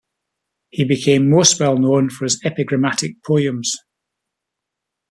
He became most well known for his epigrammatic poems.